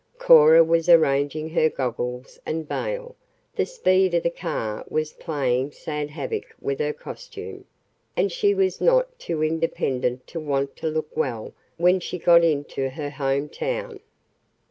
Cora was arranging her goggles and veil. The speed of the car was playing sad havoc with her costume, and she was not too independent to want to look well when she got into her home town.